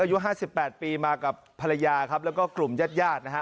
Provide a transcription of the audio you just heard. อายุ๕๘ปีมากับภรรยาครับแล้วก็กลุ่มญาติญาตินะฮะ